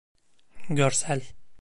Görsel